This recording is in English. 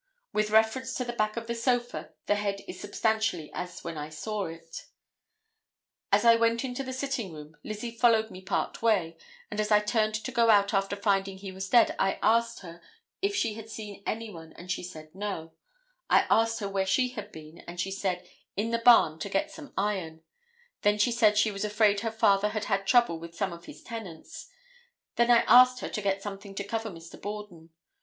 With reference to the back of the sofa the head is substantially as when I saw it. As I went into the sitting room Lizzie followed me part way, and as I turned to go out after finding he was dead I asked her if she had seen anyone and she said no; I asked her where she had been and she said, 'In the barn to get some iron,' then she said she was afraid her father had had trouble with some of his tenants; then I asked her to get something to cover Mr. Borden.